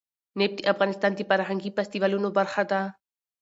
نفت د افغانستان د فرهنګي فستیوالونو برخه ده.